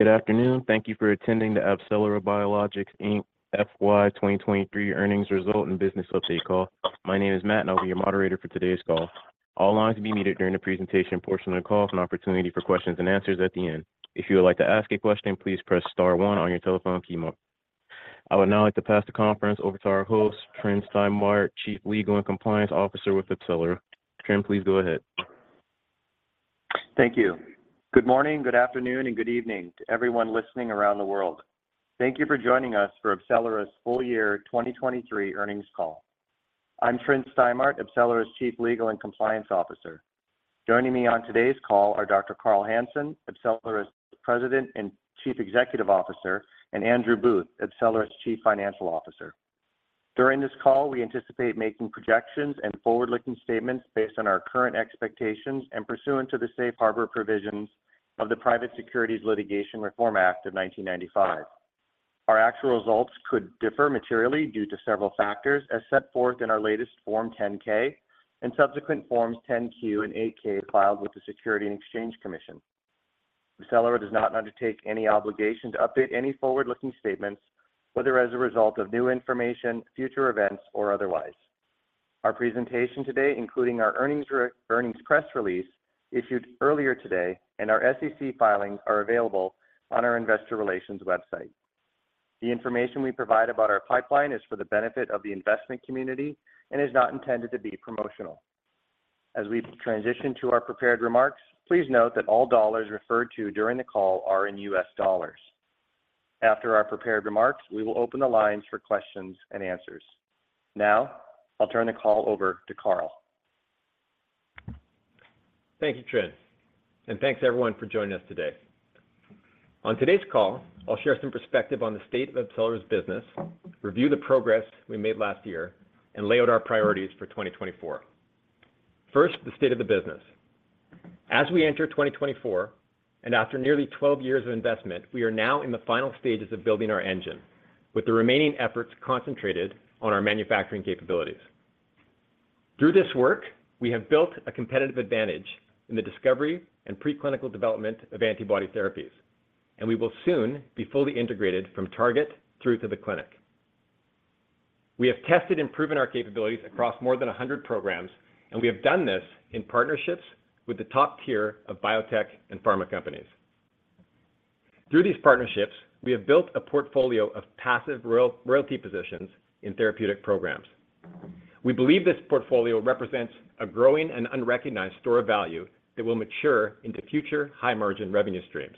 Good afternoon. Thank you for attending the AbCellera Biologics Inc. FY 2023 earnings result and business update call. My name is Matt, and I'll be your moderator for today's call. All lines will be muted during the presentation portion of the call, with an opportunity for questions and answers at the end. If you would like to ask a question, please press star 1 on your telephone keypad. I would now like to pass the conference over to our host, Tryn Stimart, Chief Legal and Compliance Officer with AbCellera. Tryn, please go ahead. Thank you. Good morning, good afternoon, and good evening to everyone listening around the world. Thank you for joining us for AbCellera's full year 2023 earnings call. I'm Tryn Stimart, AbCellera's Chief Legal and Compliance Officer. Joining me on today's call are Dr. Carl Hansen, AbCellera's President and Chief Executive Officer, and Andrew Booth, AbCellera's Chief Financial Officer. During this call, we anticipate making projections and forward-looking statements based on our current expectations and pursuant to the Safe Harbor provisions of the Private Securities Litigation Reform Act of 1995. Our actual results could differ materially due to several factors as set forth in our latest Form 10-K and subsequent Forms 10-Q and 8-K filed with the Securities and Exchange Commission. AbCellera does not undertake any obligation to update any forward-looking statements, whether as a result of new information, future events, or otherwise. Our presentation today, including our earnings press release, issued earlier today, and our SEC filings are available on our investor relations website. The information we provide about our pipeline is for the benefit of the investment community and is not intended to be promotional. As we transition to our prepared remarks, please note that all dollars referred to during the call are in U.S. dollars. After our prepared remarks, we will open the lines for questions and answers. Now I'll turn the call over to Carl. Thank you, Tryn, and thanks everyone for joining us today. On today's call, I'll share some perspective on the state of AbCellera's business, review the progress we made last year, and lay out our priorities for 2024. First, the state of the business. As we enter 2024 and after nearly 12 years of investment, we are now in the final stages of building our engine, with the remaining efforts concentrated on our manufacturing capabilities. Through this work, we have built a competitive advantage in the discovery and preclinical development of antibody therapies, and we will soon be fully integrated from target through to the clinic. We have tested and proven our capabilities across more than 100 programs, and we have done this in partnerships with the top tier of biotech and pharma companies. Through these partnerships, we have built a portfolio of passive royalty positions in therapeutic programs. We believe this portfolio represents a growing and unrecognized store of value that will mature into future high-margin revenue streams.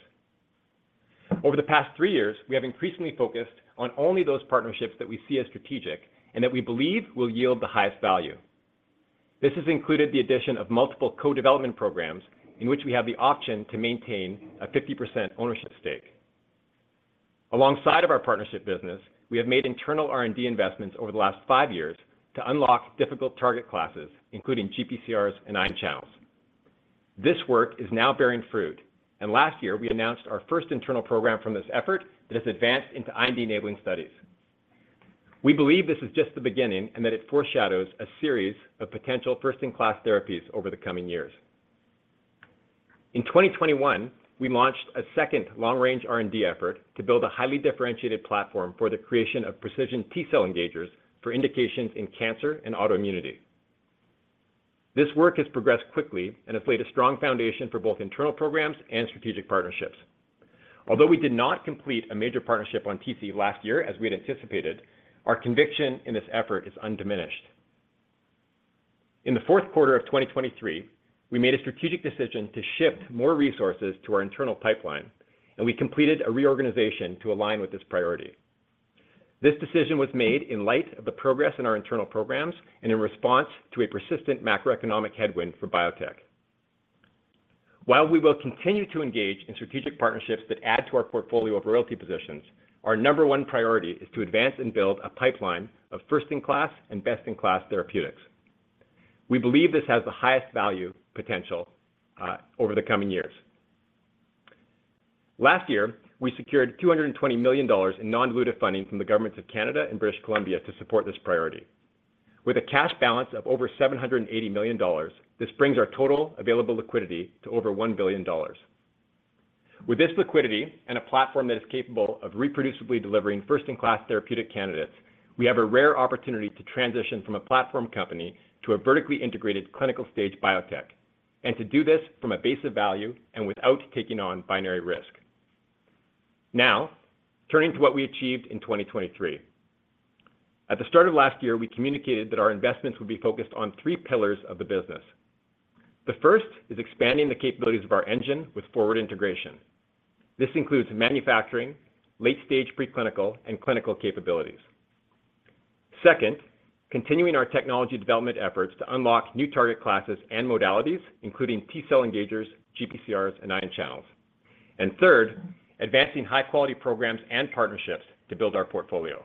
Over the past three years, we have increasingly focused on only those partnerships that we see as strategic and that we believe will yield the highest value. This has included the addition of multiple co-development programs in which we have the option to maintain a 50% ownership stake. Alongside of our partnership business, we have made internal R&D investments over the last five years to unlock difficult target classes, including GPCRs and ion channels. This work is now bearing fruit, and last year we announced our first internal program from this effort that has advanced into IND-enabling studies. We believe this is just the beginning and that it foreshadows a series of potential first-in-class therapies over the coming years. In 2021, we launched a second long-range R&D effort to build a highly differentiated platform for the creation of precision T-cell engagers for indications in cancer and autoimmunity. This work has progressed quickly and has laid a strong foundation for both internal programs and strategic partnerships. Although we did not complete a major partnership on TC last year as we had anticipated, our conviction in this effort is undiminished. In the fourth quarter of 2023, we made a strategic decision to shift more resources to our internal pipeline, and we completed a reorganization to align with this priority. This decision was made in light of the progress in our internal programs and in response to a persistent macroeconomic headwind for biotech. While we will continue to engage in strategic partnerships that add to our portfolio of royalty positions, our number 1 priority is to advance and build a pipeline of first-in-class and best-in-class therapeutics. We believe this has the highest value potential over the coming years. Last year, we secured $220 million in non-dilutive funding from the Governments of Canada and British Columbia to support this priority. With a cash balance of over $780 million, this brings our total available liquidity to over $1 billion. With this liquidity and a platform that is capable of reproducibly delivering first-in-class therapeutic candidates, we have a rare opportunity to transition from a platform company to a vertically integrated clinical stage biotech, and to do this from a base of value and without taking on binary risk. Now, turning to what we achieved in 2023. At the start of last year, we communicated that our investments would be focused on three pillars of the business. The first is expanding the capabilities of our engine with forward integration. This includes manufacturing, late-stage preclinical, and clinical capabilities. Second, continuing our technology development efforts to unlock new target classes and modalities, including T-cell engagers, GPCRs, and ion channels. And third, advancing high-quality programs and partnerships to build our portfolio.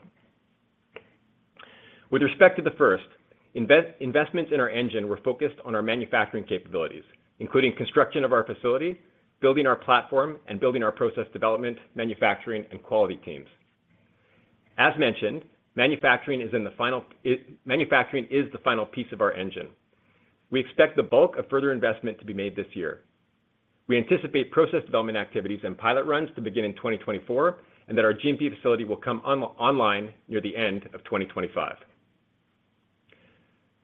With respect to the first, investments in our engine were focused on our manufacturing capabilities, including construction of our facility, building our platform, and building our process development, manufacturing, and quality teams. As mentioned, manufacturing is the final piece of our engine. We expect the bulk of further investment to be made this year. We anticipate process development activities and pilot runs to begin in 2024 and that our GMP facility will come online near the end of 2025.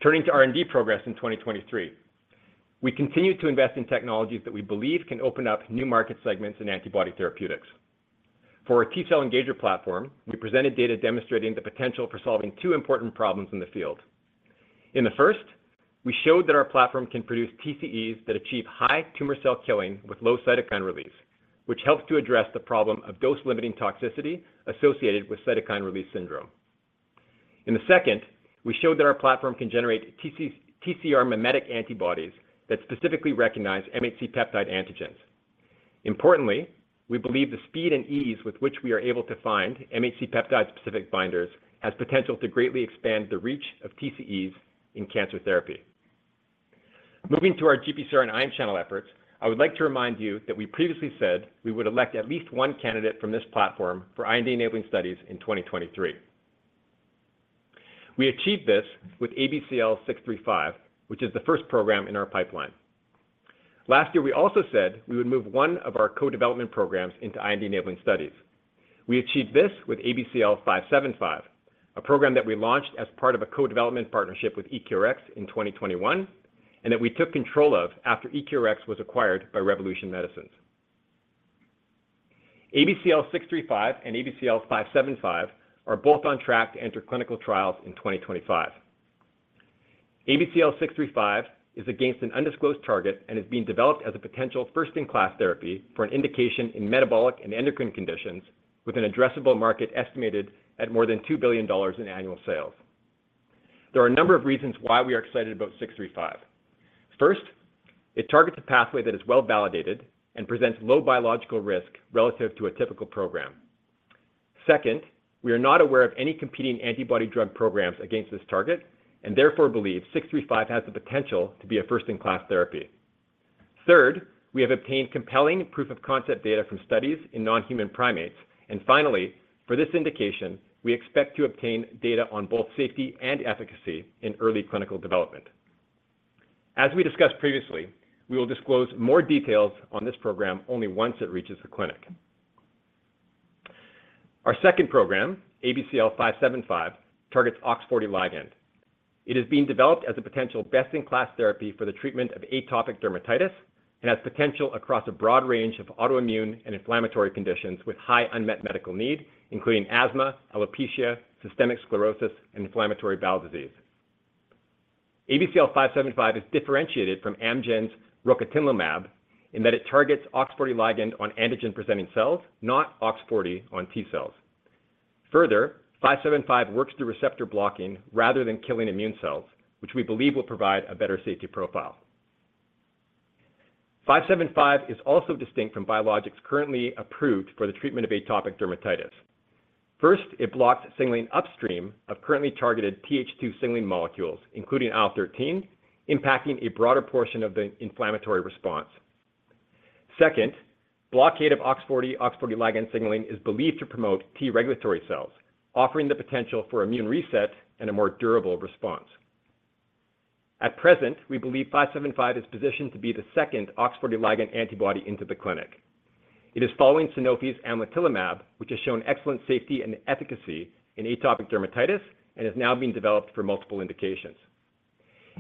Turning to R&D progress in 2023. We continue to invest in technologies that we believe can open up new market segments in antibody therapeutics. For our T-cell engager platform, we presented data demonstrating the potential for solving two important problems in the field. In the first, we showed that our platform can produce TCEs that achieve high tumor cell killing with low cytokine release, which helps to address the problem of dose-limiting toxicity associated with cytokine release syndrome. In the second, we showed that our platform can generate TCR mimetic antibodies that specifically recognize MHC peptide antigens. Importantly, we believe the speed and ease with which we are able to find MHC peptide-specific binders has potential to greatly expand the reach of TCEs in cancer therapy. Moving to our GPCR and ion channel efforts, I would like to remind you that we previously said we would elect at least one candidate from this platform for IND-enabling studies in 2023. We achieved this with ABCL 635, which is the first program in our pipeline. Last year, we also said we would move one of our co-development programs into IND-enabling studies. We achieved this with ABCL 575, a program that we launched as part of a co-development partnership with EQRx in 2021 and that we took control of after EQRx was acquired by Revolution Medicines. ABCL 635 and ABCL 575 are both on track to enter clinical trials in 2025. ABCL 635 is against an undisclosed target and is being developed as a potential first-in-class therapy for an indication in metabolic and endocrine conditions with an addressable market estimated at more than $2 billion in annual sales. There are a number of reasons why we are excited about 635. First, it targets a pathway that is well-validated and presents low biological risk relative to a typical program. Second, we are not aware of any competing antibody-drug programs against this target and therefore believe 635 has the potential to be a first-in-class therapy. Third, we have obtained compelling proof-of-concept data from studies in non-human primates. And finally, for this indication, we expect to obtain data on both safety and efficacy in early clinical development. As we discussed previously, we will disclose more details on this program only once it reaches the clinic. Our second program, ABCL 575, targets OX40 ligand. It is being developed as a potential best-in-class therapy for the treatment of atopic dermatitis and has potential across a broad range of autoimmune and inflammatory conditions with high unmet medical need, including asthma, alopecia, systemic sclerosis, and inflammatory bowel disease. ABCL 575 is differentiated from Amgen's rocatinlimab in that it targets OX40 ligand on antigen-presenting cells, not OX40 on T-cells. Further, 575 works through receptor blocking rather than killing immune cells, which we believe will provide a better safety profile. 575 is also distinct from biologics currently approved for the treatment of atopic dermatitis. First, it blocks signaling upstream of currently targeted TH2 signaling molecules, including IL-13, impacting a broader portion of the inflammatory response. Second, blockade of OX40 OX40 ligand signaling is believed to promote T regulatory cells, offering the potential for immune reset and a more durable response. At present, we believe 575 is positioned to be the second OX40 ligand antibody into the clinic. It is following Sanofi's amlitelimab, which has shown excellent safety and efficacy in atopic dermatitis and is now being developed for multiple indications.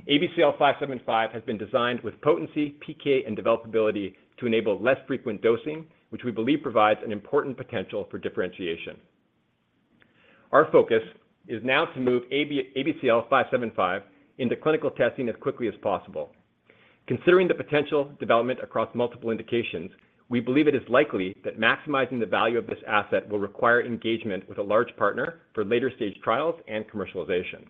ABCL 575 has been designed with potency, PK, and developability to enable less frequent dosing, which we believe provides an important potential for differentiation. Our focus is now to move ABCL 575 into clinical testing as quickly as possible. Considering the potential development across multiple indications, we believe it is likely that maximizing the value of this asset will require engagement with a large partner for later-stage trials and commercialization.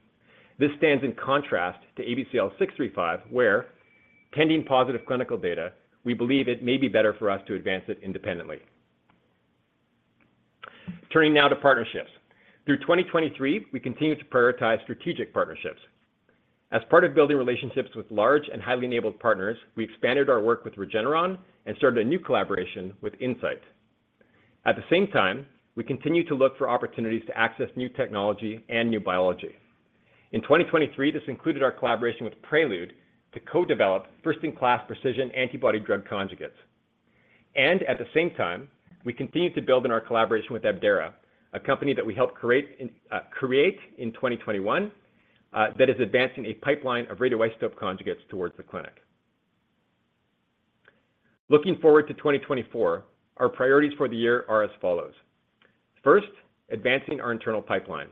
This stands in contrast to ABCL 635, where, pending positive clinical data, we believe it may be better for us to advance it independently. Turning now to partnerships. Through 2023, we continue to prioritize strategic partnerships. As part of building relationships with large and highly enabled partners, we expanded our work with Regeneron and started a new collaboration with Incyte. At the same time, we continue to look for opportunities to access new technology and new biology. In 2023, this included our collaboration with Prelude to co-develop first-in-class precision antibody-drug conjugates. At the same time, we continue to build on our collaboration with Abdera, a company that we helped create in 2021 that is advancing a pipeline of radioisotope conjugates towards the clinic. Looking forward to 2024, our priorities for the year are as follows. First, advancing our internal pipeline.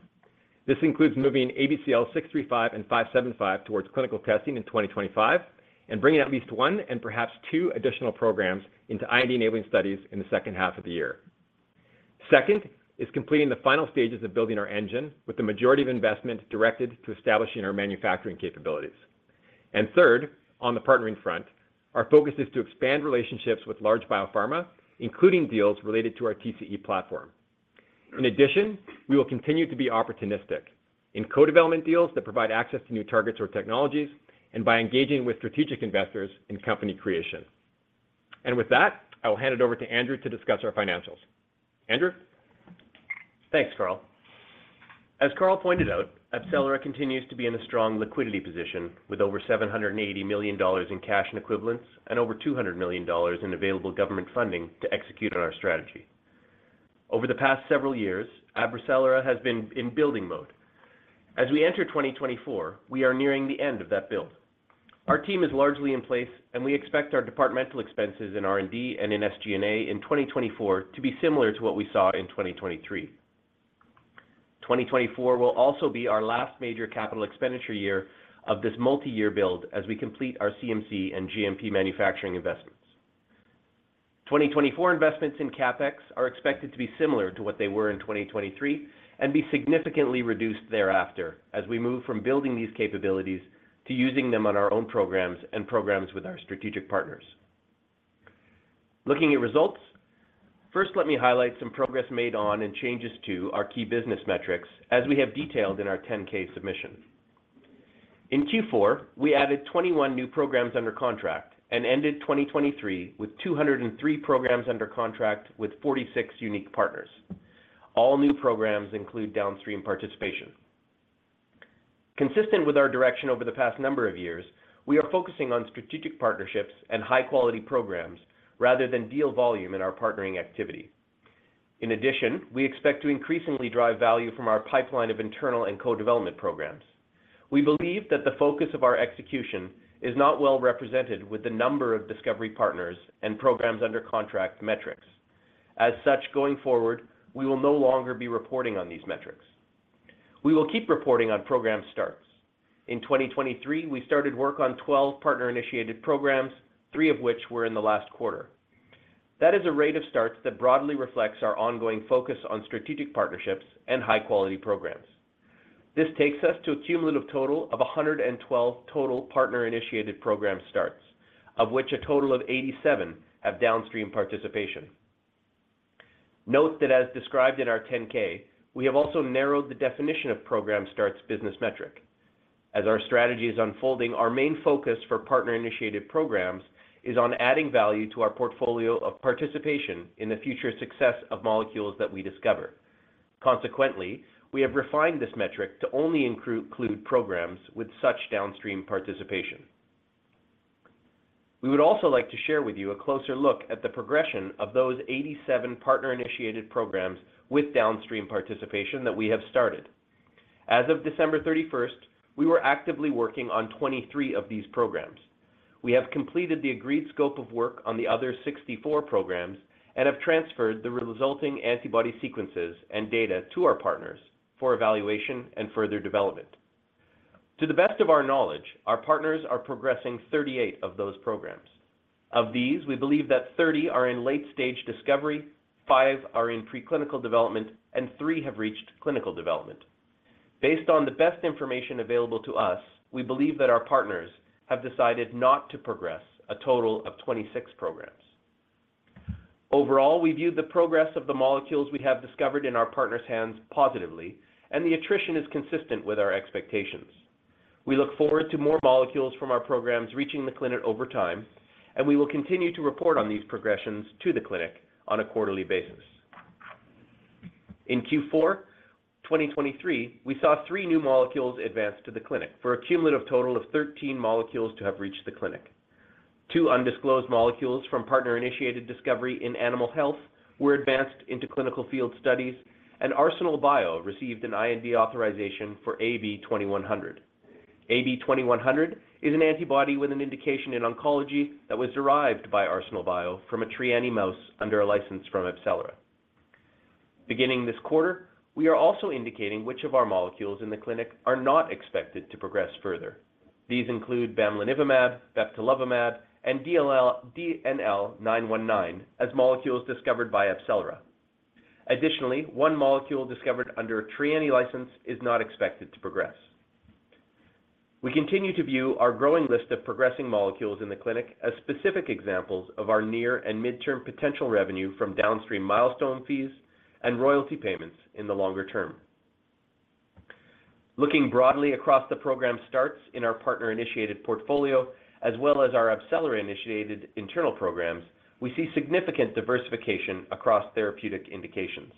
This includes moving ABCL 635 and 575 towards clinical testing in 2025 and bringing at least one and perhaps two additional programs into IND-enabling studies in the second half of the year. Second is completing the final stages of building our engine with the majority of investment directed to establishing our manufacturing capabilities. And third, on the partnering front, our focus is to expand relationships with large biopharma, including deals related to our TCE platform. In addition, we will continue to be opportunistic in co-development deals that provide access to new targets or technologies and by engaging with strategic investors in company creation. And with that, I will hand it over to Andrew to discuss our financials. Andrew? Thanks, Carl. As Carl pointed out, AbCellera continues to be in a strong liquidity position with over $780 million in cash and equivalents and over $200 million in available government funding to execute on our strategy. Over the past several years, AbCellera has been in building mode. As we enter 2024, we are nearing the end of that build. Our team is largely in place, and we expect our departmental expenses in R&D and in SG&A in 2024 to be similar to what we saw in 2023. 2024 will also be our last major capital expenditure year of this multi-year build as we complete our CMC and GMP manufacturing investments. 2024 investments in CapEx are expected to be similar to what they were in 2023 and be significantly reduced thereafter as we move from building these capabilities to using them on our own programs and programs with our strategic partners. Looking at results, first, let me highlight some progress made on and changes to our key business metrics as we have detailed in our 10-K submission. In Q4, we added 21 new programs under contract and ended 2023 with 203 programs under contract with 46 unique partners. All new programs include downstream participation. Consistent with our direction over the past number of years, we are focusing on strategic partnerships and high-quality programs rather than deal volume in our partnering activity. In addition, we expect to increasingly drive value from our pipeline of internal and co-development programs. We believe that the focus of our execution is not well represented with the number of discovery partners and programs under contract metrics. As such, going forward, we will no longer be reporting on these metrics. We will keep reporting on program starts. In 2023, we started work on 12 partner-initiated programs, 3 of which were in the last quarter. That is a rate of starts that broadly reflects our ongoing focus on strategic partnerships and high-quality programs. This takes us to a cumulative total of 112 total partner-initiated program starts, of which a total of 87 have downstream participation. Note that, as described in our 10-K, we have also narrowed the definition of program starts business metric. As our strategy is unfolding, our main focus for partner-initiated programs is on adding value to our portfolio of participation in the future success of molecules that we discover. Consequently, we have refined this metric to only include programs with such downstream participation. We would also like to share with you a closer look at the progression of those 87 partner-initiated programs with downstream participation that we have started. As of December 31st, we were actively working on 23 of these programs. We have completed the agreed scope of work on the other 64 programs and have transferred the resulting antibody sequences and data to our partners for evaluation and further development. To the best of our knowledge, our partners are progressing 38 of those programs. Of these, we believe that 30 are in late-stage discovery, 5 are in preclinical development, and 3 have reached clinical development. Based on the best information available to us, we believe that our partners have decided not to progress a total of 26 programs. Overall, we view the progress of the molecules we have discovered in our partners' hands positively, and the attrition is consistent with our expectations. We look forward to more molecules from our programs reaching the clinic over time, and we will continue to report on these progressions to the clinic on a quarterly basis. In Q4, 2023, we saw 3 new molecules advance to the clinic for a cumulative total of 13 molecules to have reached the clinic. 2 undisclosed molecules from partner-initiated discovery in animal health were advanced into clinical field studies, and Arsenal Bio received an IND authorization for AB2100. AB2100 is an antibody with an indication in oncology that was derived by Arsenal Bio from a Trianni mouse under a license from AbCellera. Beginning this quarter, we are also indicating which of our molecules in the clinic are not expected to progress further. These include bamlanivimab, bebtelovimab, and DNL-919 as molecules discovered by AbCellera. Additionally, one molecule discovered under a Trianni license is not expected to progress. We continue to view our growing list of progressing molecules in the clinic as specific examples of our near and mid-term potential revenue from downstream milestone fees and royalty payments in the longer term. Looking broadly across the program starts in our partner-initiated portfolio as well as our AbCellera-initiated internal programs, we see significant diversification across therapeutic indications.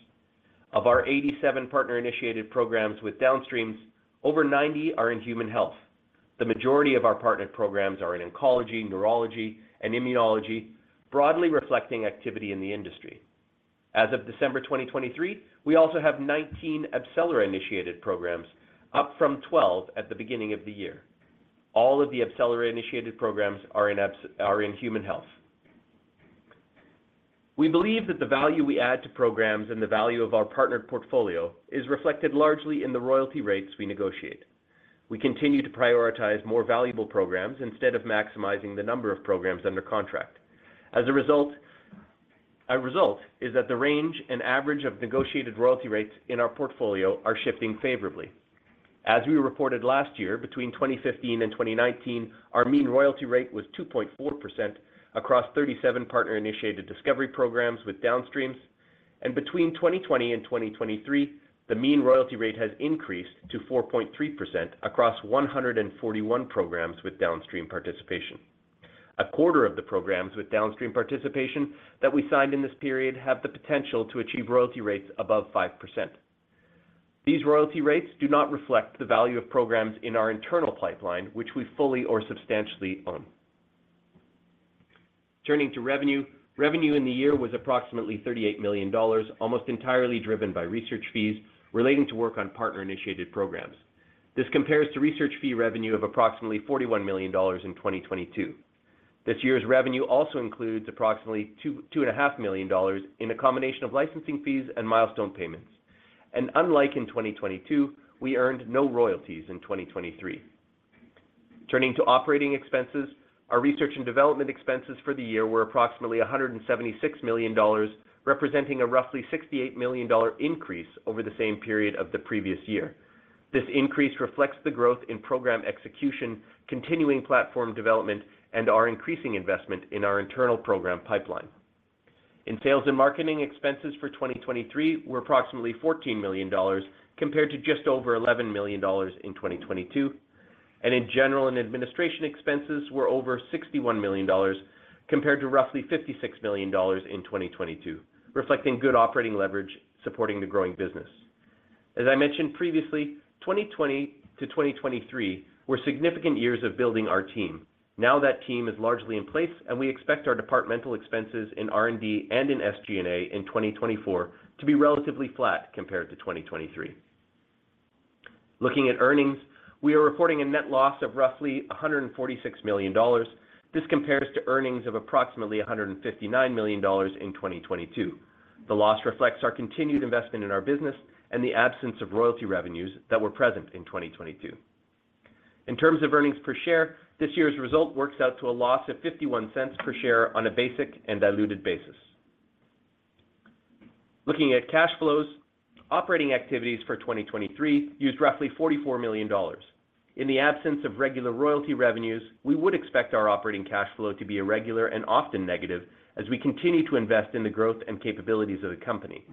Of our 87 partner-initiated programs with downstreams, over 90% are in human health. The majority of our partner programs are in oncology, neurology, and immunology, broadly reflecting activity in the industry. As of December 2023, we also have 19 AbCellera-initiated programs, up from 12 at the beginning of the year. All of the AbCellera-initiated programs are in human health. We believe that the value we add to programs and the value of our partnered portfolio is reflected largely in the royalty rates we negotiate. We continue to prioritize more valuable programs instead of maximizing the number of programs under contract. As a result, the range and average of negotiated royalty rates in our portfolio are shifting favorably. As we reported last year, between 2015 and 2019, our mean royalty rate was 2.4% across 37 partner-initiated discovery programs with downstreams, and between 2020 and 2023, the mean royalty rate has increased to 4.3% across 141 programs with downstream participation. A quarter of the programs with downstream participation that we signed in this period have the potential to achieve royalty rates above 5%. These royalty rates do not reflect the value of programs in our internal pipeline, which we fully or substantially own. Turning to revenue, revenue in the year was approximately $38 million, almost entirely driven by research fees relating to work on partner-initiated programs. This compares to research fee revenue of approximately $41 million in 2022. This year's revenue also includes approximately $2.5 million in a combination of licensing fees and milestone payments. Unlike in 2022, we earned no royalties in 2023. Turning to operating expenses, our research and development expenses for the year were approximately $176 million, representing a roughly $68 million increase over the same period of the previous year. This increase reflects the growth in program execution, continuing platform development, and our increasing investment in our internal program pipeline. Sales and marketing expenses for 2023 were approximately $14 million compared to just over $11 million in 2022, and general and administrative expenses were over $61 million compared to roughly $56 million in 2022, reflecting good operating leverage supporting the growing business. As I mentioned previously, 2020 to 2023 were significant years of building our team. Now that team is largely in place, and we expect our departmental expenses in R&D and in SG&A in 2024 to be relatively flat compared to 2023. Looking at earnings, we are reporting a net loss of roughly $146 million. This compares to earnings of approximately $159 million in 2022. The loss reflects our continued investment in our business and the absence of royalty revenues that were present in 2022. In terms of earnings per share, this year's result works out to a loss of $0.51 per share on a basic and diluted basis. Looking at cash flows, operating activities for 2023 used roughly $44 million. In the absence of regular royalty revenues, we would expect our operating cash flow to be irregular and often negative as we continue to invest in the growth and capabilities of the company.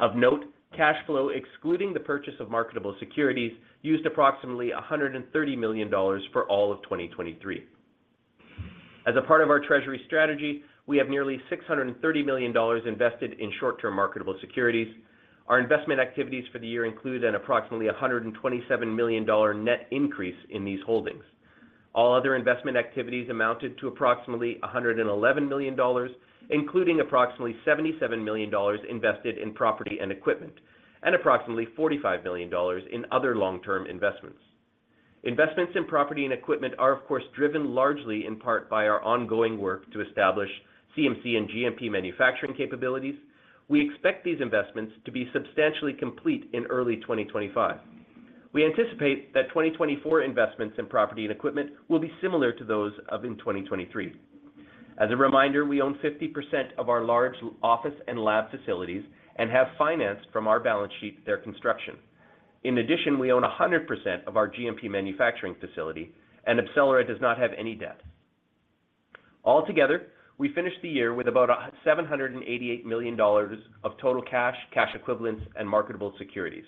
Of note, cash flow excluding the purchase of marketable securities used approximately $130 million for all of 2023. As a part of our treasury strategy, we have nearly $630 million invested in short-term marketable securities. Our investment activities for the year include an approximately $127 million net increase in these holdings. All other investment activities amounted to approximately $111 million, including approximately $77 million invested in property and equipment and approximately $45 million in other long-term investments. Investments in property and equipment are, of course, driven largely in part by our ongoing work to establish CMC and GMP manufacturing capabilities. We expect these investments to be substantially complete in early 2025. We anticipate that 2024 investments in property and equipment will be similar to those of in 2023. As a reminder, we own 50% of our large office and lab facilities and have financed from our balance sheet their construction. In addition, we own 100% of our GMP manufacturing facility, and AbCellera does not have any debt. Altogether, we finished the year with about $788 million of total cash, cash equivalents, and marketable securities.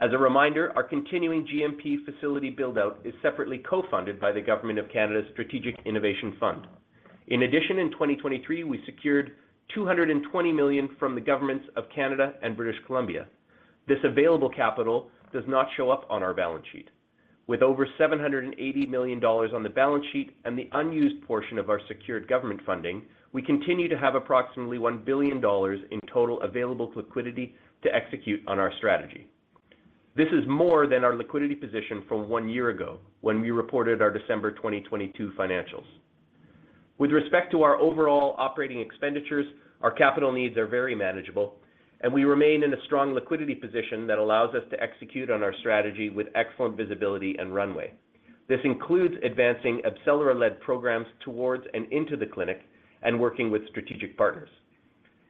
As a reminder, our continuing GMP facility build-out is separately co-funded by the Government of Canada's Strategic Innovation Fund. In addition, in 2023, we secured $220 million from the Governments of Canada and British Columbia. This available capital does not show up on our balance sheet. With over $780 million on the balance sheet and the unused portion of our secured government funding, we continue to have approximately $1 billion in total available liquidity to execute on our strategy. This is more than our liquidity position from one year ago when we reported our December 2022 financials. With respect to our overall operating expenditures, our capital needs are very manageable, and we remain in a strong liquidity position that allows us to execute on our strategy with excellent visibility and runway. This includes advancing AbCellera-led programs towards and into the clinic and working with strategic partners.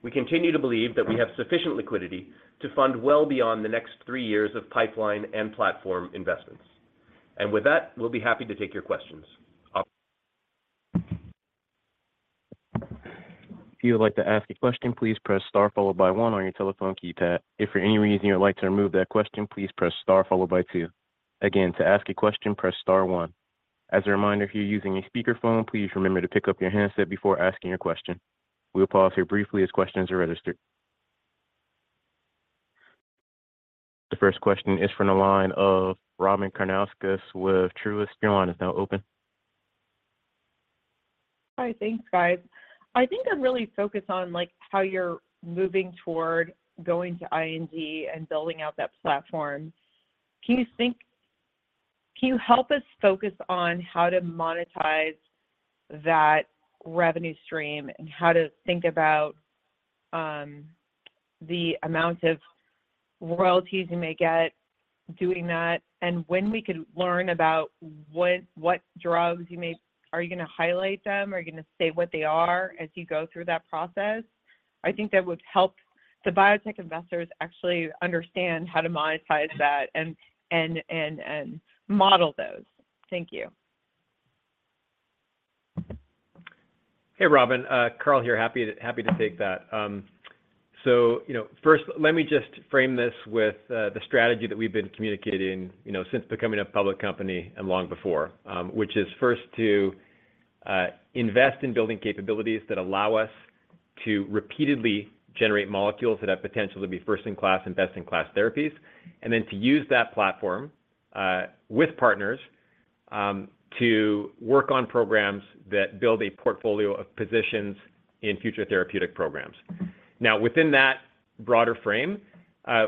We continue to believe that we have sufficient liquidity to fund well beyond the next three years of pipeline and platform investments. With that, we'll be happy to take your questions. If you would like to ask a question, please press star followed by one on your telephone keypad. If for any reason you would like to remove that question, please press star followed by two. Again, to ask a question, press star one. As a reminder, if you're using a speakerphone, please remember to pick up your handset before asking your question. We will pause here briefly as questions are registered. The first question is from the line of Robin Karnauskas with Truist. Your line is now open. Hi. Thanks, guys. I think I'm really focused on how you're moving toward going to IND and building out that platform. Can you help us focus on how to monetize that revenue stream and how to think about the amount of royalties you may get doing that, and when we could learn about what drugs you may are you going to highlight them? Are you going to say what they are as you go through that process? I think that would help the biotech investors actually understand how to monetize that and model those. Thank you. Hey, Robin. Carl here. Happy to take that. First, let me just frame this with the strategy that we've been communicating since becoming a public company and long before, which is first to invest in building capabilities that allow us to repeatedly generate molecules that have potential to be first-in-class and best-in-class therapies, and then to use that platform with partners to work on programs that build a portfolio of positions in future therapeutic programs. Now, within that broader frame,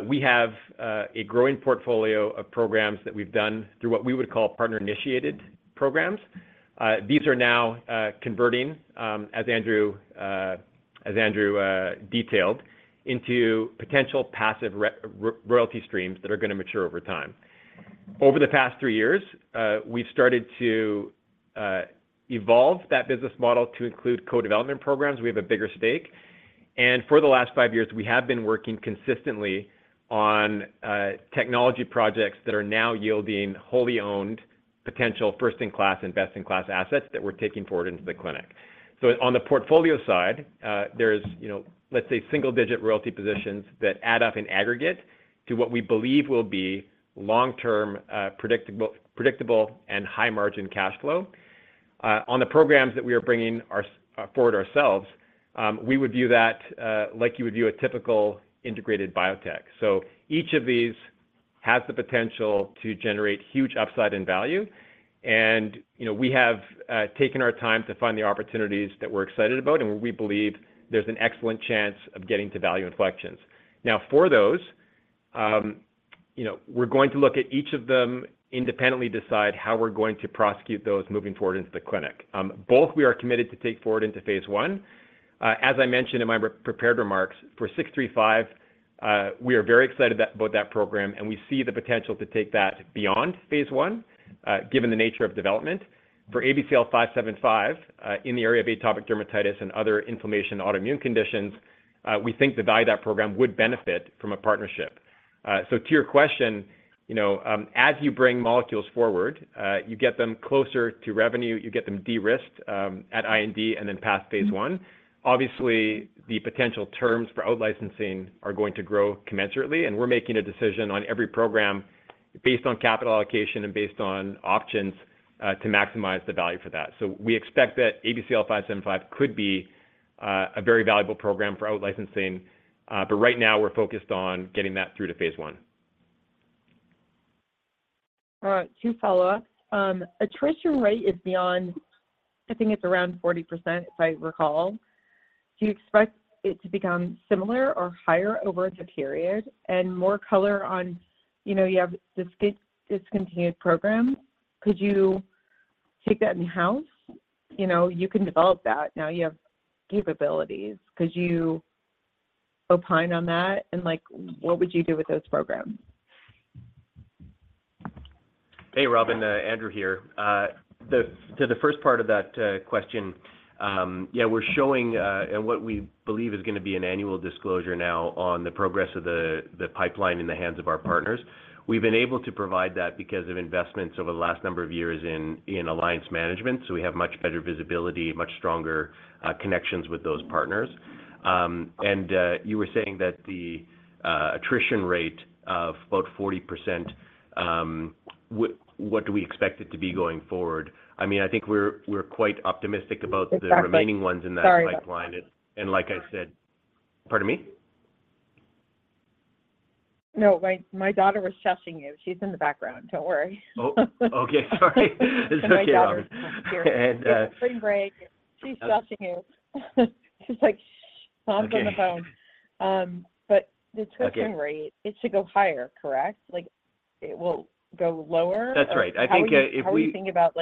we have a growing portfolio of programs that we've done through what we would call partner-initiated programs. These are now converting, as Andrew detailed, into potential passive royalty streams that are going to mature over time. Over the past three years, we've started to evolve that business model to include co-development programs. We have a bigger stake. For the last five years, we have been working consistently on technology projects that are now yielding wholly owned, potential first-in-class and best-in-class assets that we're taking forward into the clinic. So on the portfolio side, there's, let's say, single-digit royalty positions that add up in aggregate to what we believe will be long-term, predictable, and high-margin cash flow. On the programs that we are bringing forward ourselves, we would view that like you would view a typical integrated biotech. So each of these has the potential to generate huge upside in value. And we have taken our time to find the opportunities that we're excited about, and we believe there's an excellent chance of getting to value inflections. Now, for those, we're going to look at each of them, independently decide how we're going to prosecute those moving forward into the clinic. Both, we are committed to take forward into phase 1. As I mentioned in my prepared remarks, for ABCL 635, we are very excited about that program, and we see the potential to take that beyond phase 1, given the nature of development. For ABCL 575, in the area of atopic dermatitis and other inflammation autoimmune conditions, we think the value of that program would benefit from a partnership. So to your question, as you bring molecules forward, you get them closer to revenue, you get them de-risked at IND and then past phase 1. Obviously, the potential terms for outlicensing are going to grow commensurately, and we're making a decision on every program based on capital allocation and based on options to maximize the value for that. So we expect that ABCL 575 could be a very valuable program for outlicensing, but right now we're focused on getting that through to phase 1. All right. 2 follow-ups. Attrition rate is beyond I think it's around 40%, if I recall. Do you expect it to become similar or higher over the period? And more color on you have discontinued programs. Could you take that in-house? You can develop that. Now you have capabilities. Could you opine on that, and what would you do with those programs? Hey, Robin. Andrew here. To the first part of that question, yeah, we're showing and what we believe is going to be an annual disclosure now on the progress of the pipeline in the hands of our partners. We've been able to provide that because of investments over the last number of years in alliance management. So we have much better visibility, much stronger connections with those partners. And you were saying that the attrition rate of about 40%, what do we expect it to be going forward? I mean, I think we're quite optimistic about the remaining ones in that pipeline. And like I said, pardon me? No, my daughter was shushing you. She's in the background. Don't worry. Okay. Sorry. It's okay, Robin. It's spring break. She's shushing you. She's like, "Shh," mom's on the phone. But the attrition rate, it should go higher, correct? It will go lower? That's right. I think if we. How do you think about?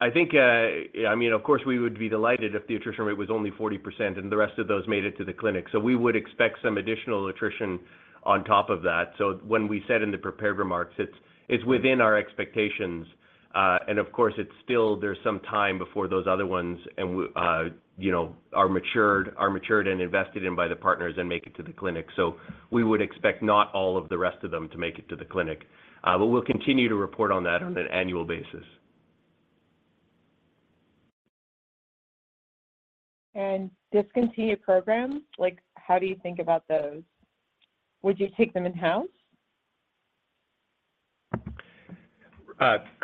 I mean, of course, we would be delighted if the attrition rate was only 40% and the rest of those made it to the clinic. So we would expect some additional attrition on top of that. So when we said in the prepared remarks, it's within our expectations. And of course, there's some time before those other ones are matured and invested in by the partners and make it to the clinic. So we would expect not all of the rest of them to make it to the clinic. But we'll continue to report on that on an annual basis. And discontinued programs, how do you think about those? Would you take them in-house?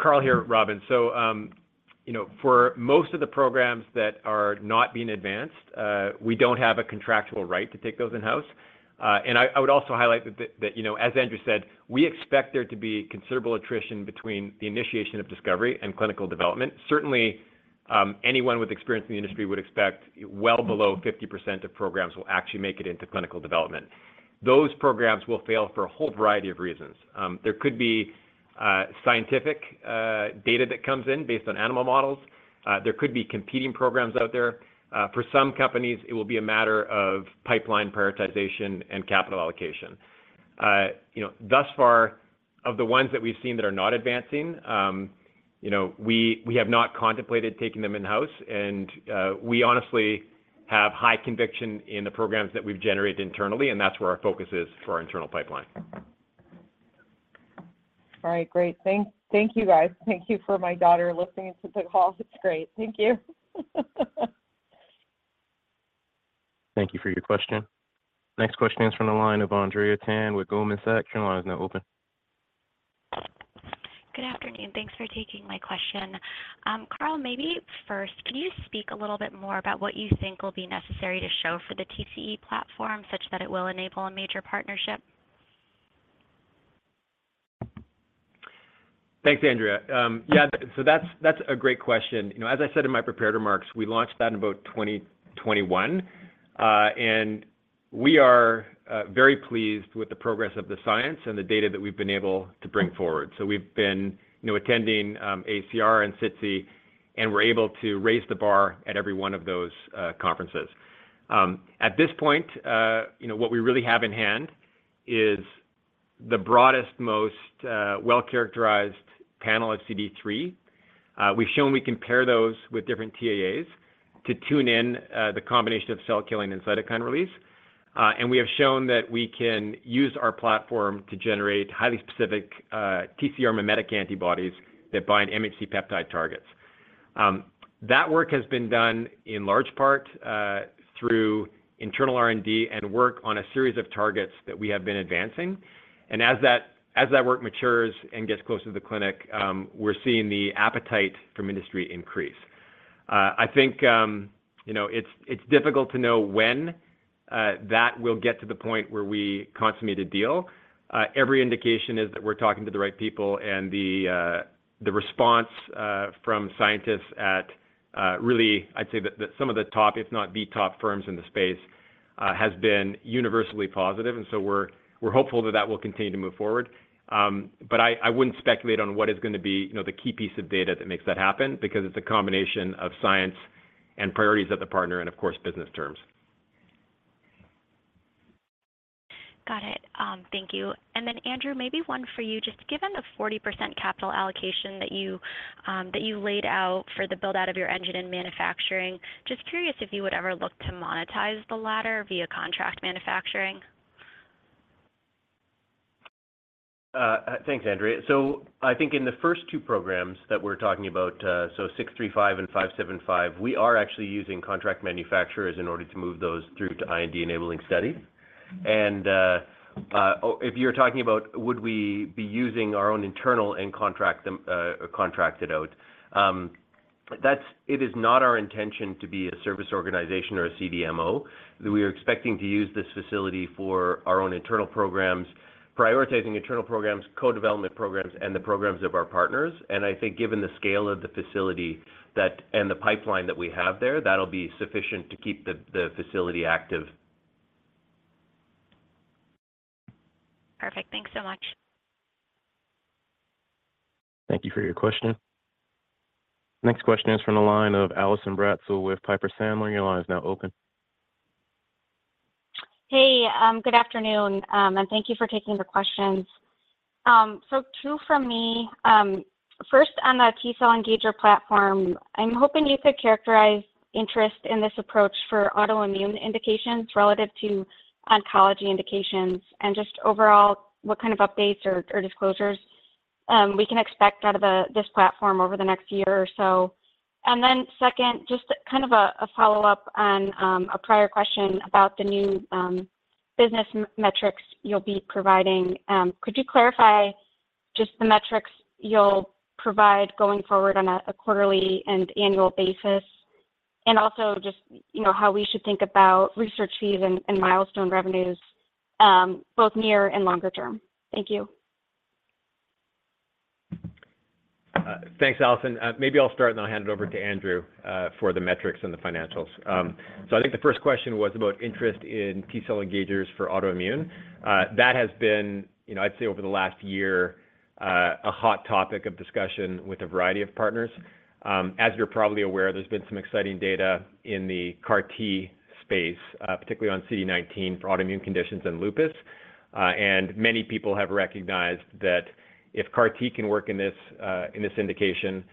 Carl here, Robin. So for most of the programs that are not being advanced, we don't have a contractual right to take those in-house. And I would also highlight that, as Andrew said, we expect there to be considerable attrition between the initiation of discovery and clinical development. Certainly, anyone with experience in the industry would expect well below 50% of programs will actually make it into clinical development. Those programs will fail for a whole variety of reasons. There could be scientific data that comes in based on animal models. There could be competing programs out there. For some companies, it will be a matter of pipeline prioritization and capital allocation. Thus far, of the ones that we've seen that are not advancing, we have not contemplated taking them in-house. And we honestly have high conviction in the programs that we've generated internally, and that's where our focus is for our internal pipeline. All right. Great. Thank you, guys. Thank you for my daughter listening to the call. It's great. Thank you. Thank you for your question. Next question is from the line of Andrea Tan with Goldman Sachs. Your line is now open. Good afternoon. Thanks for taking my question. Carl, maybe first, can you speak a little bit more about what you think will be necessary to show for the TCE platform such that it will enable a major partnership? Thanks, Andrea. Yeah. So that's a great question. As I said in my prepared remarks, we launched that in about 2021. And we are very pleased with the progress of the science and the data that we've been able to bring forward. So we've been attending AACR and SITC, and we're able to raise the bar at every one of those conferences. At this point, what we really have in hand is the broadest, most well-characterized panel of CD3. We've shown we can pair those with different TAAs to tune in the combination of cell killing and cytokine release. We have shown that we can use our platform to generate highly specific TCR mimetic antibodies that bind MHC peptide targets. That work has been done in large part through internal R&D and work on a series of targets that we have been advancing. As that work matures and gets closer to the clinic, we're seeing the appetite from industry increase. I think it's difficult to know when that will get to the point where we consummate a deal. Every indication is that we're talking to the right people, and the response from scientists at really, I'd say that some of the top, if not A-top firms in the space, has been universally positive. So we're hopeful that that will continue to move forward. But I wouldn't speculate on what is going to be the key piece of data that makes that happen because it's a combination of science and priorities at the partner and, of course, business terms. Got it. Thank you. And then, Andrew, maybe one for you. Just given the 40% capital allocation that you laid out for the build-out of your engine in manufacturing, just curious if you would ever look to monetize the latter via contract manufacturing? Thanks, Andrea. So I think in the first two programs that we're talking about, so 635 and 575, we are actually using contract manufacturers in order to move those through to IND-enabling studies. And if you're talking about, would we be using our own internal and contract it out, it is not our intention to be a service organization or a CDMO. We are expecting to use this facility for our own internal programs, prioritizing internal programs, co-development programs, and the programs of our partners. And I think given the scale of the facility and the pipeline that we have there, that'll be sufficient to keep the facility active. Perfect. Thanks so much. Thank you for your question. Next question is from the line of Allison Bratzel with Piper Sandler. Your line is now open. Hey. Good afternoon. And thank you for taking the questions. So two from me. First, on the T-cell engager platform, I'm hoping you could characterize interest in this approach for autoimmune indications relative to oncology indications and just overall what kind of updates or disclosures we can expect out of this platform over the next year or so. Then second, just kind of a follow-up on a prior question about the new business metrics you'll be providing. Could you clarify just the metrics you'll provide going forward on a quarterly and annual basis and also just how we should think about research fees and milestone revenues both near and longer term? Thank you. Thanks, Allison. Maybe I'll start, and I'll hand it over to Andrew for the metrics and the financials. So I think the first question was about interest in T-cell engagers for autoimmune. That has been, I'd say, over the last year, a hot topic of discussion with a variety of partners. As you're probably aware, there's been some exciting data in the CAR-T space, particularly on CD19 for autoimmune conditions and lupus. Many people have recognized that if CAR-T can work in this indication,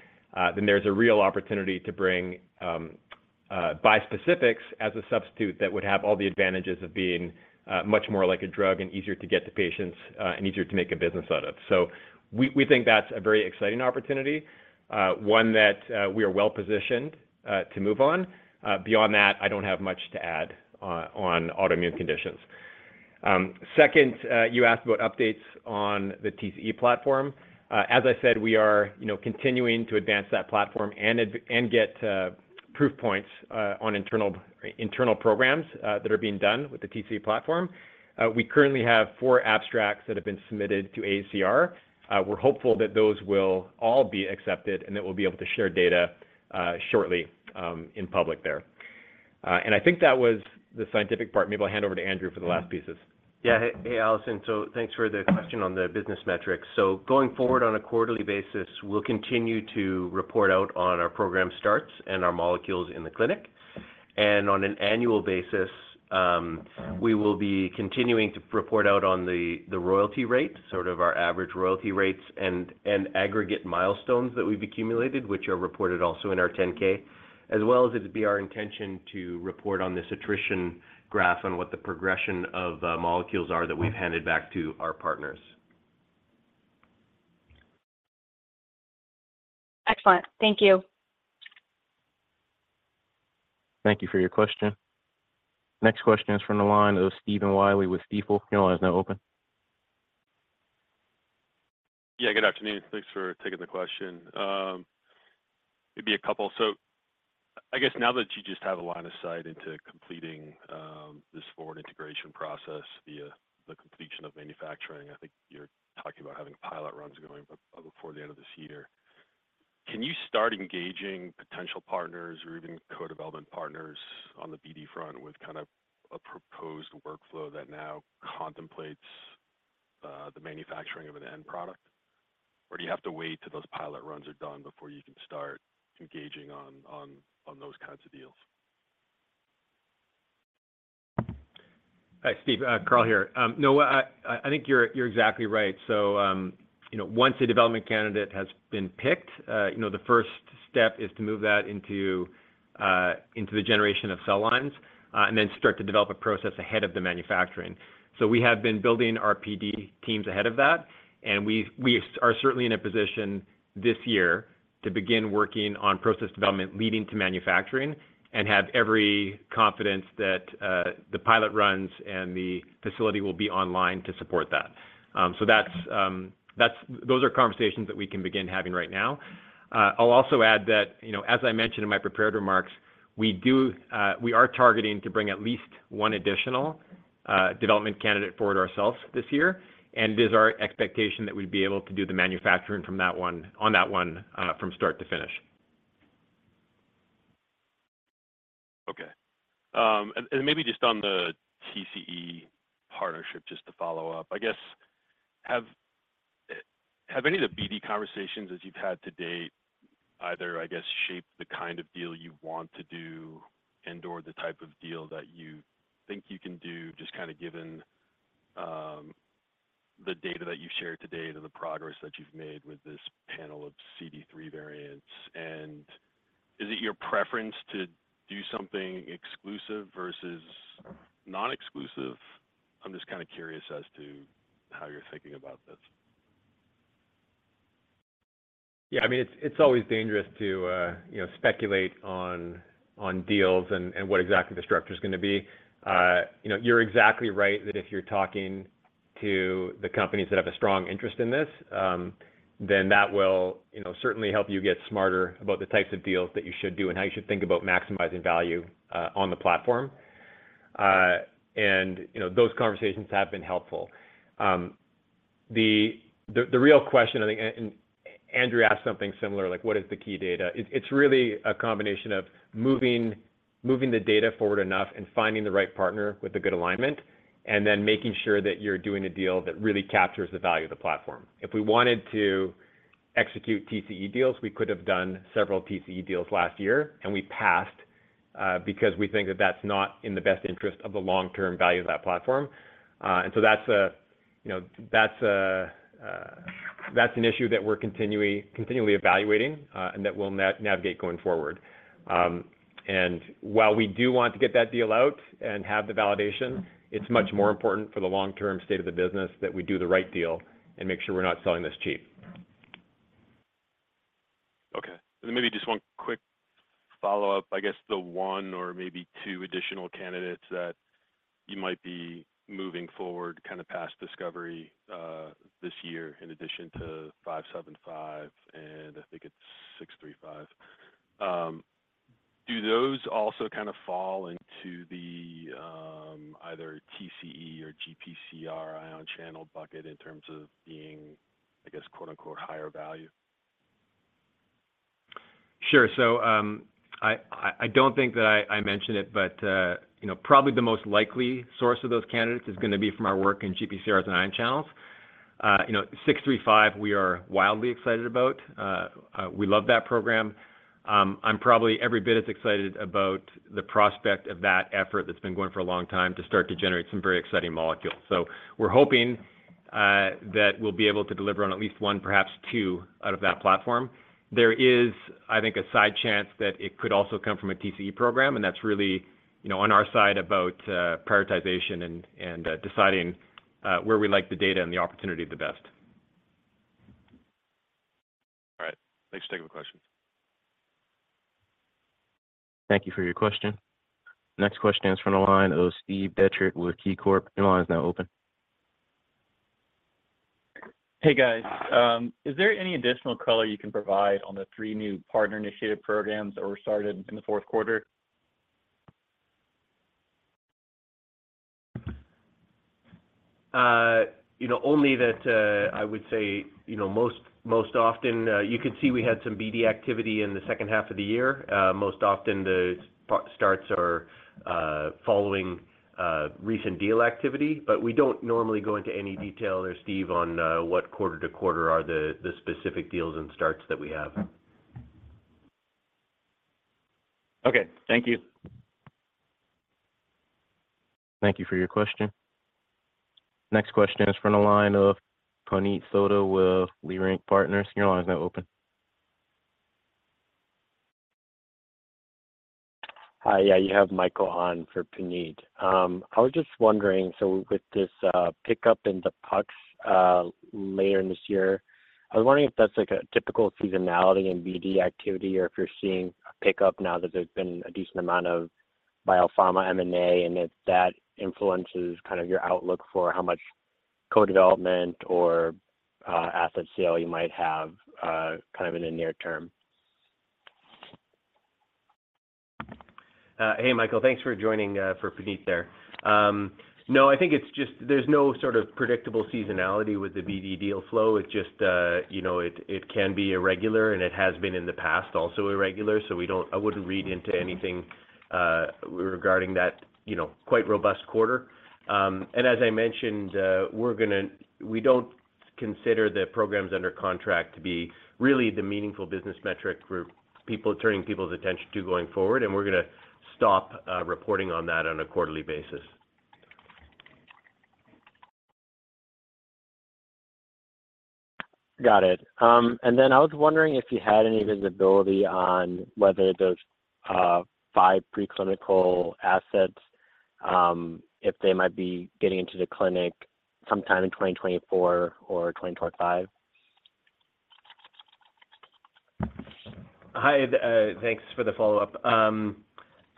then there's a real opportunity to bring bispecifics as a substitute that would have all the advantages of being much more like a drug and easier to get to patients and easier to make a business out of. We think that's a very exciting opportunity, one that we are well-positioned to move on. Beyond that, I don't have much to add on autoimmune conditions. Second, you asked about updates on the TCE platform. As I said, we are continuing to advance that platform and get proof points on internal programs that are being done with the TCE platform. We currently have four abstracts that have been submitted to ACR. We're hopeful that those will all be accepted and that we'll be able to share data shortly in public there. I think that was the scientific part. Maybe I'll hand over to Andrew for the last pieces. Yeah. Hey, Allison. So thanks for the question on the business metrics. So going forward on a quarterly basis, we'll continue to report out on our program starts and our molecules in the clinic. On an annual basis, we will be continuing to report out on the royalty rate, sort of our average royalty rates and aggregate milestones that we've accumulated, which are reported also in our 10-K, as well as it'd be our intention to report on this attrition graph on what the progression of molecules are that we've handed back to our partners. Excellent. Thank you. Thank you for your question. Next question is from the line of Stephen Wiley with Stifel. Your line is now open. Yeah. Good afternoon. Thanks for taking the question. It'd be a couple. So I guess now that you just have a line of sight into completing this forward integration process via the completion of manufacturing, I think you're talking about having pilot runs going before the end of this year. Can you start engaging potential partners or even co-development partners on the BD front with kind of a proposed workflow that now contemplates the manufacturing of an end product? Or do you have to wait till those pilot runs are done before you can start engaging on those kinds of deals? Hi, Steve. Carl here. No, I think you're exactly right. So once a development candidate has been picked, the first step is to move that into the generation of cell lines and then start to develop a process ahead of the manufacturing. So we have been building our PD teams ahead of that. We are certainly in a position this year to begin working on process development leading to manufacturing and have every confidence that the pilot runs and the facility will be online to support that. Those are conversations that we can begin having right now. I'll also add that, as I mentioned in my prepared remarks, we are targeting to bring at least one additional development candidate forward ourselves this year. It is our expectation that we'd be able to do the manufacturing on that one from start to finish. Okay. And maybe just on the TCE partnership, just to follow up, I guess, have any of the BD conversations that you've had to date either, I guess, shaped the kind of deal you want to do and/or the type of deal that you think you can do just kind of given the data that you've shared today and the progress that you've made with this panel of CD3 variants? Is it your preference to do something exclusive versus non-exclusive? I'm just kind of curious as to how you're thinking about this. Yeah. I mean, it's always dangerous to speculate on deals and what exactly the structure is going to be. You're exactly right that if you're talking to the companies that have a strong interest in this, then that will certainly help you get smarter about the types of deals that you should do and how you should think about maximizing value on the platform. Those conversations have been helpful. The real question, I think, and Andrew asked something similar, like, "What is the key data?" It's really a combination of moving the data forward enough and finding the right partner with a good alignment and then making sure that you're doing a deal that really captures the value of the platform. If we wanted to execute TCE deals, we could have done several TCE deals last year, and we passed because we think that that's not in the best interest of the long-term value of that platform. And so that's an issue that we're continually evaluating and that we'll navigate going forward. And while we do want to get that deal out and have the validation, it's much more important for the long-term state of the business that we do the right deal and make sure we're not selling this cheap. Okay. And then maybe just one quick follow-up. I guess the one or maybe two additional candidates that you might be moving forward kind of past discovery this year in addition to 575 and I think it's 635, do those also kind of fall into the either TCE or GPCR ion channel bucket in terms of being, I guess, "higher value"? Sure. So I don't think that I mentioned it, but probably the most likely source of those candidates is going to be from our work in GPCRs and ion channels. 635, we are wildly excited about. We love that program. I'm probably every bit as excited about the prospect of that effort that's been going for a long time to start to generate some very exciting molecules. So we're hoping that we'll be able to deliver on at least one, perhaps two out of that platform. There is, I think, a side chance that it could also come from a TCE program. And that's really on our side about prioritization and deciding where we like the data and the opportunity the best. All right. Thanks for taking the question. Thank you for your question. Next question is from the line of Steve Dechert with KeyBanc Capital Markets. Your line is now open. Hey, guys. Is there any additional color you can provide on the three new partner-initiated programs that were started in the fourth quarter? Only that I would say most often, you could see we had some BD activity in the second half of the year. Most often, the starts are following recent deal activity. But we don't normally go into any detail there, Steve, on what quarter to quarter are the specific deals and starts that we have. Okay. Thank you. Thank you for your question. Next question is from the line of Puneet Souda with Leerink Partners. Your line is now open. Hi. Yeah. You have Michael on for Puneet. I was just wondering, so with this pickup in the PUCs later in this year, I was wondering if that's a typical seasonality in BD activity or if you're seeing a pickup now that there's been a decent amount of biopharma M&A and if that influences kind of your outlook for how much co-development or asset sale you might have kind of in the near term. Hey, Michael. Thanks for joining for Puneet there. No, I think it's just. There's no sort of predictable seasonality with the BD deal flow. It's just it can be irregular, and it has been in the past also irregular. So I wouldn't read into anything regarding that quite robust quarter. And as I mentioned, we don't consider the programs under contract to be really the meaningful business metric for turning people's attention to going forward. And we're going to stop reporting on that on a quarterly basis. Got it. And then I was wondering if you had any visibility on whether those five preclinical assets, if they might be getting into the clinic sometime in 2024 or 2025? Hi. Thanks for the follow-up.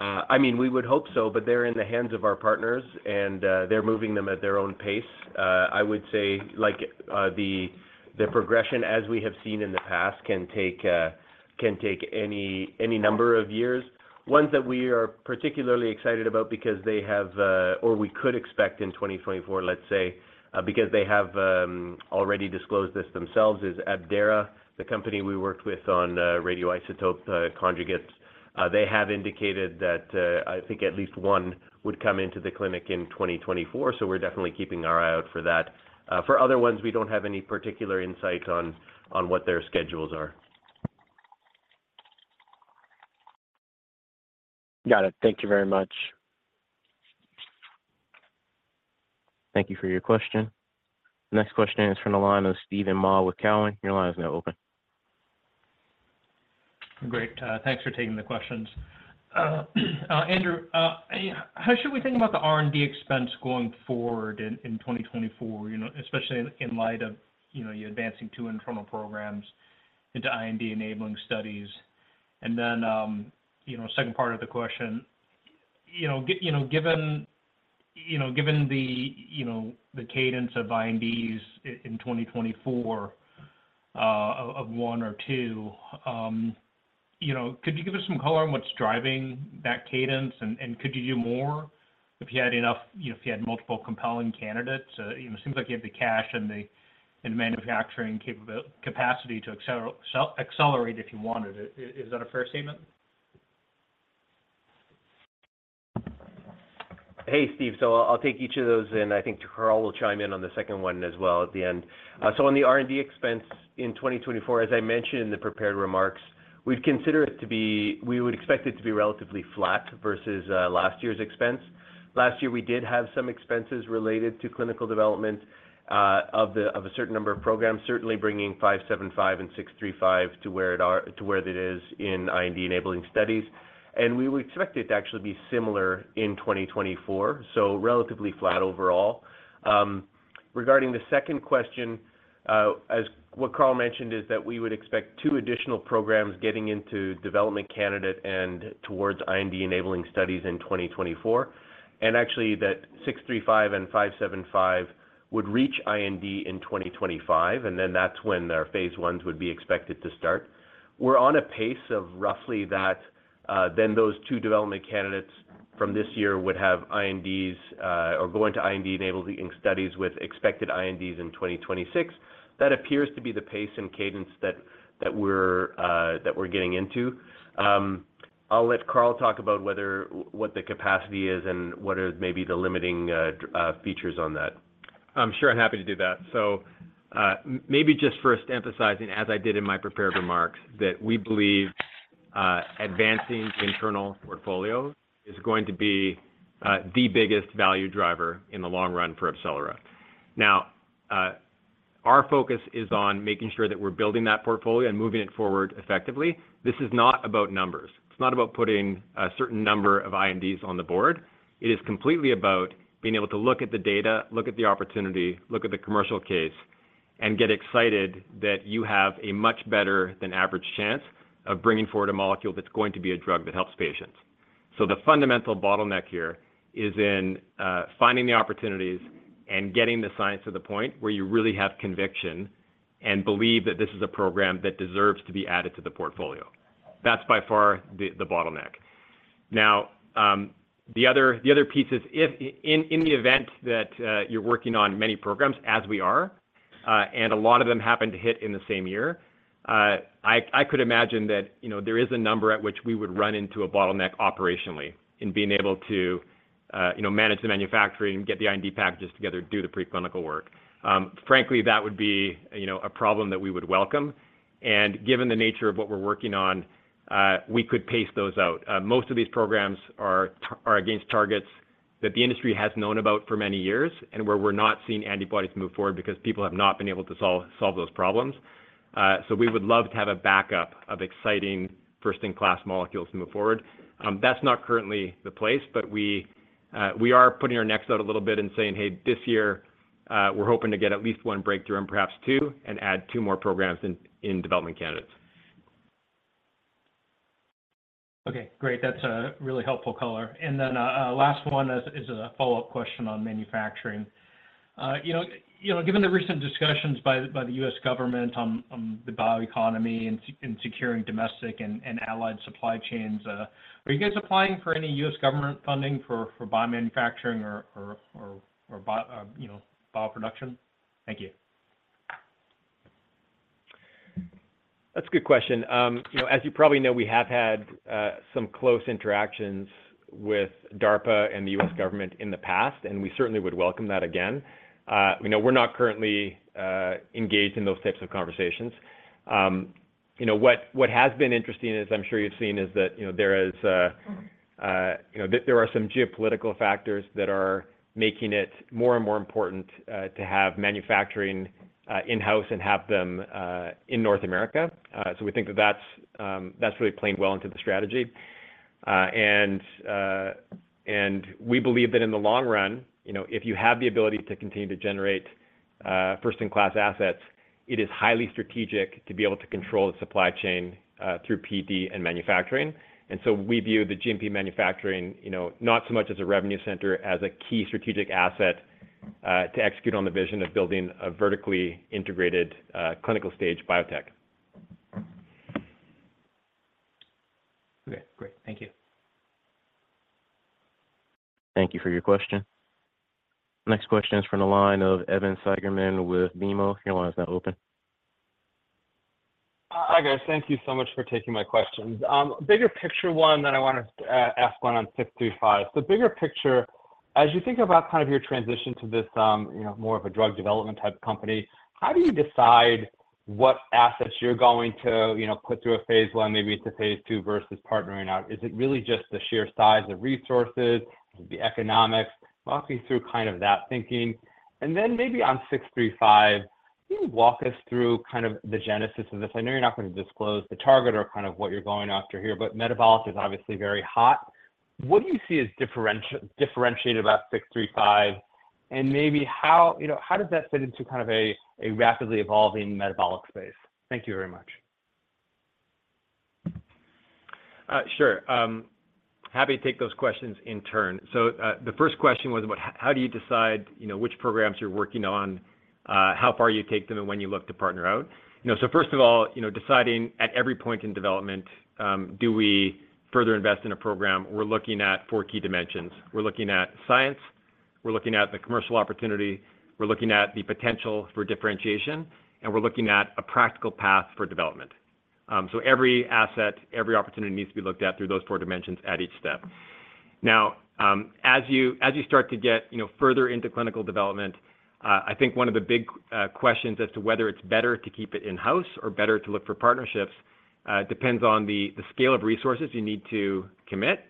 I mean, we would hope so, but they're in the hands of our partners, and they're moving them at their own pace. I would say the progression as we have seen in the past can take any number of years. Ones that we are particularly excited about because they have or we could expect in 2024, let's say, because they have already disclosed this themselves, is Abdera, the company we worked with on radioisotope conjugates. They have indicated that I think at least one would come into the clinic in 2024. So we're definitely keeping our eye out for that. For other ones, we don't have any particular insights on what their schedules are. Got it. Thank you very much. Thank you for your question. Next question is from the line of Stephen Ma with TD Cowen. Your line is now open. Great. Thanks for taking the questions. Andrew, how should we think about the R&D expense going forward in 2024, especially in light of you advancing two internal programs into IND-enabling studies? And then second part of the question, given the cadence of INDs in 2024 of one or two, could you give us some color on what's driving that cadence? And could you do more if you had enough if you had multiple compelling candidates? It seems like you have the cash and the manufacturing capacity to accelerate if you wanted. Is that a fair statement? Hey, Stephen. So I'll take each of those in. I think Carl will chime in on the second one as well at the end. So on the R&D expense in 2024, as I mentioned in the prepared remarks, we'd consider it to be we would expect it to be relatively flat versus last year's expense. Last year, we did have some expenses related to clinical development of a certain number of programs, certainly bringing 575 and 635 to where it is in IND-enabling studies. And we would expect it to actually be similar in 2024, so relatively flat overall. Regarding the second question, what Carl mentioned is that we would expect two additional programs getting into development candidate and towards IND-enabling studies in 2024, and actually that 635 and 575 would reach IND in 2025. And then that's when their phase ones would be expected to start. We're on a pace of roughly that. Then those two development candidates from this year would have INDs or go into IND-enabling studies with expected INDs in 2026. That appears to be the pace and cadence that we're getting into. I'll let Carl talk about what the capacity is and what are maybe the limiting features on that. Sure. I'm happy to do that. So maybe just first emphasizing, as I did in my prepared remarks, that we believe advancing internal portfolios is going to be the biggest value driver in the long run for AbCellera. Now, our focus is on making sure that we're building that portfolio and moving it forward effectively. This is not about numbers. It's not about putting a certain number of INDs on the board. It is completely about being able to look at the data, look at the opportunity, look at the commercial case, and get excited that you have a much better-than-average chance of bringing forward a molecule that's going to be a drug that helps patients. So the fundamental bottleneck here is in finding the opportunities and getting the science to the point where you really have conviction and believe that this is a program that deserves to be added to the portfolio. That's by far the bottleneck. Now, the other piece is, in the event that you're working on many programs as we are, and a lot of them happen to hit in the same year, I could imagine that there is a number at which we would run into a bottleneck operationally in being able to manage the manufacturing and get the IND packages together, do the preclinical work. Frankly, that would be a problem that we would welcome. And given the nature of what we're working on, we could pace those out. Most of these programs are against targets that the industry has known about for many years and where we're not seeing antibodies move forward because people have not been able to solve those problems. So we would love to have a backup of exciting, first-in-class molecules to move forward. That's not currently the place, but we are putting our necks out a little bit and saying, "Hey, this year, we're hoping to get at least one breakthrough and perhaps two and add two more programs in development candidates." Okay. Great. That's a really helpful color. And then last one is a follow-up question on manufacturing. Given the recent discussions by the U.S. government on the bioeconomy and securing domestic and allied supply chains, are you guys applying for any U.S. government funding for biomanufacturing or bioproduction? Thank you. That's a good question. As you probably know, we have had some close interactions with DARPA and the U.S. government in the past, and we certainly would welcome that again. We're not currently engaged in those types of conversations. What has been interesting, as I'm sure you've seen, is that there are some geopolitical factors that are making it more and more important to have manufacturing in-house and have them in North America. So we think that that's really playing well into the strategy. We believe that in the long run, if you have the ability to continue to generate first-in-class assets, it is highly strategic to be able to control the supply chain through PD and manufacturing. So we view the GMP manufacturing not so much as a revenue center as a key strategic asset to execute on the vision of building a vertically integrated clinical-stage biotech. Okay. Great. Thank you. Thank you for your question. Next question is from the line of Evan Seigerman with BMO. Your line is now open. Hi, guys. Thank you so much for taking my questions. Bigger picture one that I want to ask one on 635. Bigger picture, as you think about kind of your transition to this more of a drug development type company, how do you decide what assets you're going to put through a phase 1, maybe into phase 2 versus partnering out? Is it really just the sheer size of resources? Is it the economics? Walk me through kind of that thinking. And then maybe on 635, can you walk us through kind of the genesis of this? I know you're not going to disclose the target or kind of what you're going after here, but metabolic is obviously very hot. What do you see as differentiating about 635? And maybe how does that fit into kind of a rapidly evolving metabolic space? Thank you very much. Sure. Happy to take those questions in turn. So the first question was about how do you decide which programs you're working on, how far you take them, and when you look to partner out. So first of all, deciding at every point in development, do we further invest in a program? We're looking at four key dimensions. We're looking at science. We're looking at the commercial opportunity. We're looking at the potential for differentiation. And we're looking at a practical path for development. So every asset, every opportunity needs to be looked at through those four dimensions at each step. Now, as you start to get further into clinical development, I think one of the big questions as to whether it's better to keep it in-house or better to look for partnerships depends on the scale of resources you need to commit.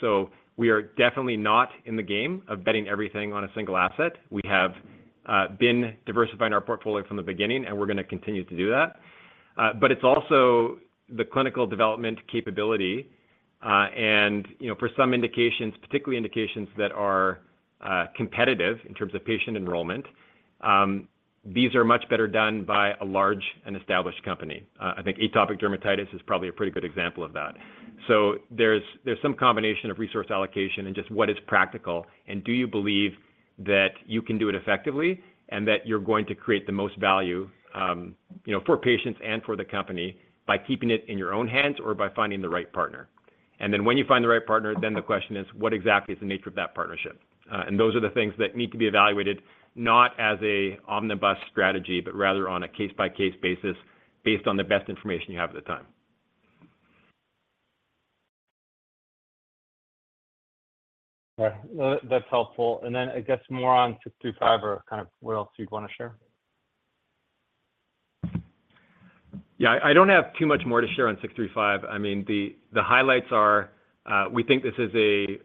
So we are definitely not in the game of betting everything on a single asset. We have been diversifying our portfolio from the beginning, and we're going to continue to do that. But it's also the clinical development capability. And for some indications, particularly indications that are competitive in terms of patient enrollment, these are much better done by a large and established company. I think atopic dermatitis is probably a pretty good example of that. So there's some combination of resource allocation and just what is practical, and do you believe that you can do it effectively and that you're going to create the most value for patients and for the company by keeping it in your own hands or by finding the right partner? And then when you find the right partner, then the question is, what exactly is the nature of that partnership? Those are the things that need to be evaluated not as an omnibus strategy, but rather on a case-by-case basis based on the best information you have at the time. All right. That's helpful. And then I guess more on 635 or kind of what else you'd want to share? Yeah. I don't have too much more to share on 635. I mean, the highlights are we think this is a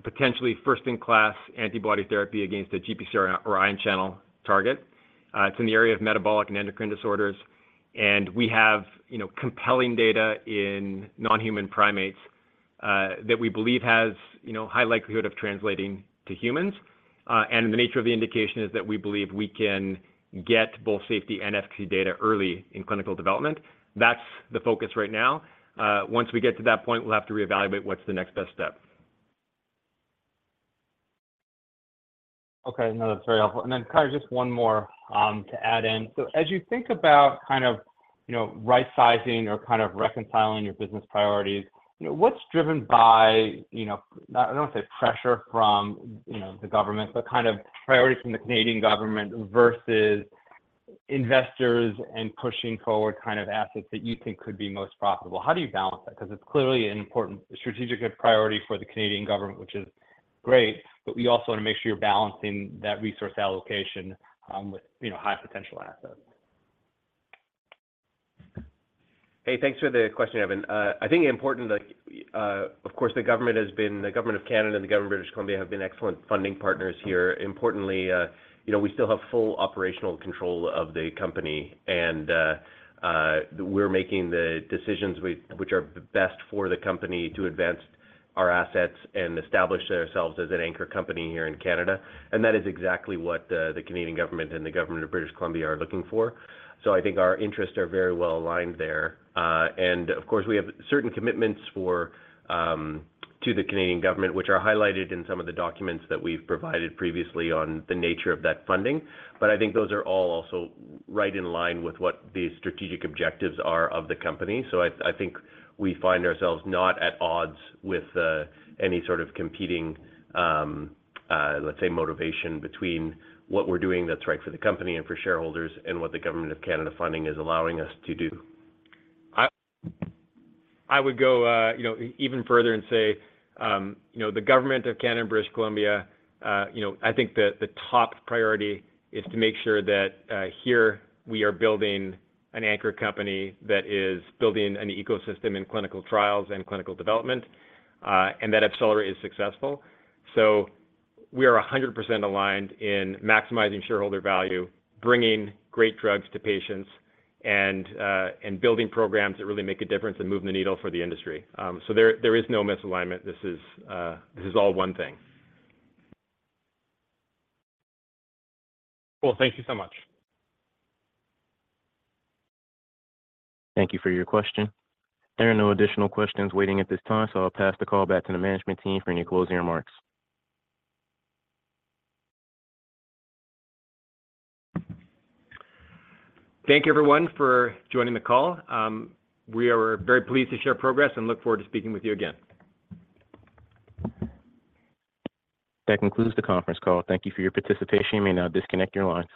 potentially first-in-class antibody therapy against a GPCR or ion channel target. It's in the area of metabolic and endocrine disorders. And we have compelling data in non-human primates that we believe has high likelihood of translating to humans. And the nature of the indication is that we believe we can get both safety and FC data early in clinical development. That's the focus right now. Once we get to that point, we'll have to reevaluate what's the next best step. Okay. No, that's very helpful. And then kind of just one more to add in. So as you think about kind of right-sizing or kind of reconciling your business priorities, what's driven by I don't want to say pressure from the government, but kind of priorities from the Canadian government versus investors and pushing forward kind of assets that you think could be most profitable? How do you balance that? Because it's clearly an important strategic priority for the Canadian government, which is great, but we also want to make sure you're balancing that resource allocation with high-potential assets. Hey, thanks for the question, Evan. I think importantly, of course, the government has been the Government of Canada and the Government of British Columbia have been excellent funding partners here. Importantly, we still have full operational control of the company, and we're making the decisions which are best for the company to advance our assets and establish ourselves as an anchor company here in Canada. That is exactly what the Canadian government and the government of British Columbia are looking for. I think our interests are very well aligned there. Of course, we have certain commitments to the Canadian government which are highlighted in some of the documents that we've provided previously on the nature of that funding. I think those are all also right in line with what the strategic objectives are of the company. So I think we find ourselves not at odds with any sort of competing, let's say, motivation between what we're doing that's right for the company and for shareholders and what the Government of Canada funding is allowing us to do. I would go even further and say the Government of Canada and British Columbia, I think the top priority is to make sure that here we are building an anchor company that is building an ecosystem in clinical trials and clinical development and that AbCellera is successful. So we are 100% aligned in maximizing shareholder value, bringing great drugs to patients, and building programs that really make a difference and move the needle for the industry. So there is no misalignment. This is all one thing. Cool. Thank you so much. Thank you for your question. There are no additional questions waiting at this time, so I'll pass the call back to the management team for any closing remarks. Thank you, everyone, for joining the call. We are very pleased to share progress and look forward to speaking with you again. That concludes the conference call. Thank you for your participation. You may now disconnect your line.